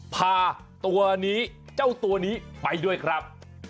พาตัวนี้เจ้าตัวนี้ไปด้วยครับ